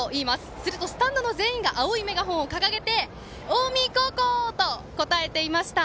するとスタンドの全員が青いメガホンを掲げて近江高校！と応えていました。